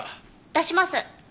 出します。